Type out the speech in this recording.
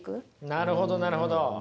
なるほどなるほど。